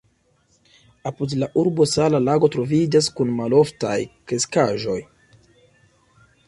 Apud la urbo sala lago troviĝas kun maloftaj kreskaĵoj.